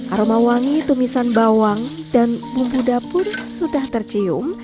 aroma wangi tumisan bawang dan bumbu dapur sudah tercium